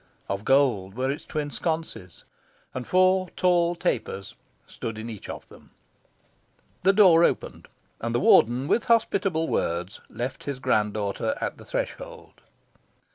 Of gold were its twin sconces, and four tall tapers stood in each of them. The door opened, and the Warden, with hospitable words, left his grand daughter at the threshold.